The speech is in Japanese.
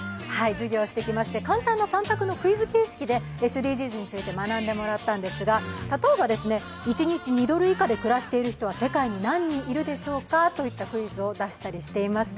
簡単な３択のクイズ形式でＳＤＧｓについて学んでもらったんですが例えば、一日２ドル以下で暮らしている人は世界に何人いるでしょうかといったクイズを出したりしました。